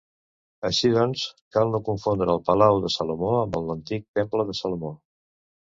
Així doncs, cal no confondre el palau de Salomó amb l’antic temple de Salomó.